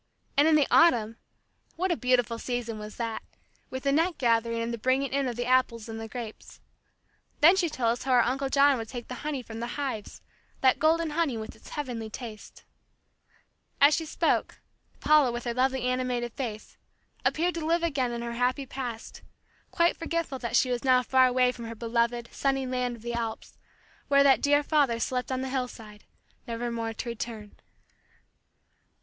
And in the autumn! What a beautiful season was that, with the nut gathering and the bringing in of the apples and the grapes. Then she told us how our Uncle John would take the honey from the hives, that golden honey with its heavenly taste. As she spoke, Paula with her lovely animated face, appeared to live again in her happy past, quite forgetful that she was now far away from her beloved, sunny land of the Alps, where that dear father slept on the hillside, nevermore to return.